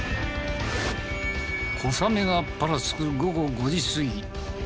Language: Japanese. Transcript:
小雨がぱらつく午後５時過ぎ。